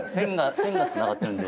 線がつながっているんで。